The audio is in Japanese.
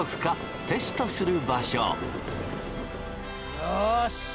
よし！